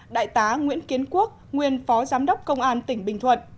đại tá nguyễn kiến quốc nguyên phó giám đốc công an tỉnh bình thuận